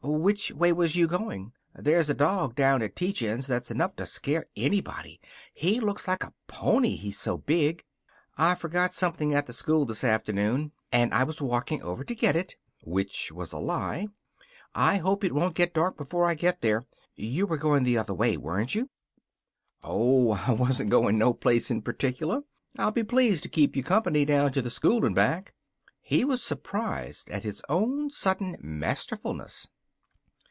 "Which way was you going? There's a dog down at Tietjens' that's enough to scare anybody. He looks like a pony, he's so big." "I forgot something at the school this afternoon, and I was walking over to get it." Which was a lie. "I hope it won't get dark before I get there. You were going the other way, weren't you?" "Oh, I wasn't going no place in particular. I'll be pleased to keep you company down to the school and back." He was surprised at his own sudden masterfulness.